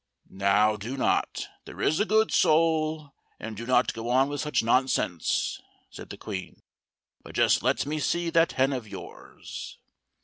"Now do not, there is a good soul, do not go on with such nonsense," said the Queen, "but just let me see that hen of yours."